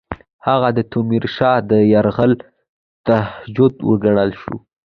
هغه د تیمورشاه د یرغل تهدید وګڼل شو.